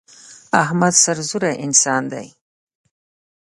احمد سرزوره انسان دی.